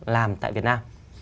làm tại việt nam